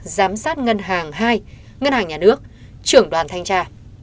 giám sát ngân hàng hai ngân hàng nhà nước trưởng đoàn thanh tra